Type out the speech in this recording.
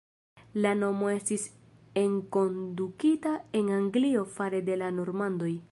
La nomo estis enkondukita en Anglio fare de la normandoj.